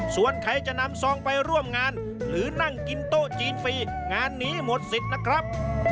ส่วนใครจะนำซองไปร่วมงานหรือนั่งกินโต๊ะจีนฟรีงานนี้หมดสิทธิ์นะครับ